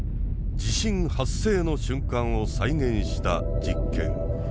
地震発生の瞬間を再現した実験。